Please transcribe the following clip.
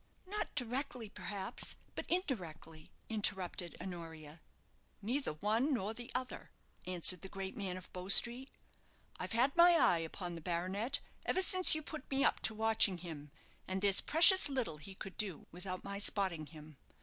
"Not directly, perhaps, but indirectly," interrupted Honoria. "Neither one nor the other," answered the great man of Bow Street. "I've had my eye upon the baronet ever since you put me up to watching him; and there's precious little he could do without my spotting him.